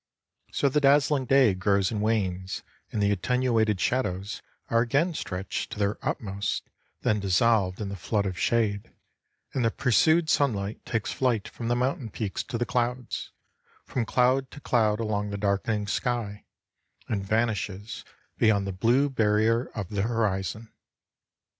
So the dazzling day grows and wanes and the attenuated shadows are again stretched to their utmost, then dissolved in the flood of shade, and the pursued sunlight takes flight from the mountain peaks to the clouds, from cloud to cloud along the darkening sky, and vanishes beyond the blue barrier of the horizon.